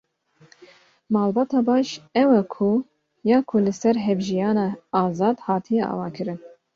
Malbata baş, ew e ya ku li ser hevjiyana azad hatiye avakirin.